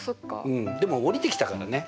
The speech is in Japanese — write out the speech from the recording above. うんでもおりてきたからね。